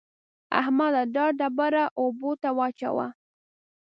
احمده! دا ډبره اوبو ته واچوه.